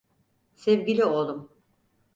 Sevgili oğlum.